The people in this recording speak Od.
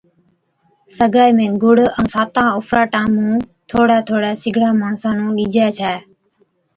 سگائِي ۾ گُڙ ائُون ساتان اُڦراٽان مُون ٿوڙھي ٿوڙھي سِگڙان ماڻسان نُون ڏِجي ڇَي